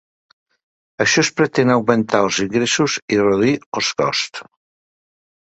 Amb això es pretén augmentar els ingressos i reduir els costs.